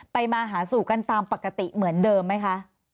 มาหาสู่กันตามปกติเหมือนเดิมไหมคะ